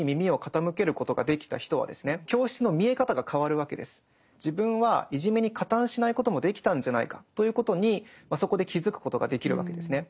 例えばところが自分はいじめに加担しないこともできたんじゃないかということにそこで気付くことができるわけですね。